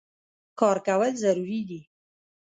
کار کول ضرور دي